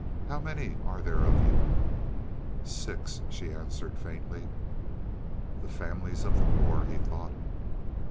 How many are there of you?" "Six," she answered faintly. "The families of the poor," he thought.